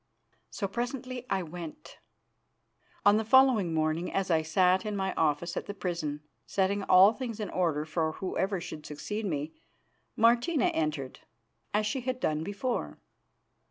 So presently I went. On the following morning, as I sat in my office at the prison, setting all things in order for whoever should succeed me, Martina entered, as she had done before.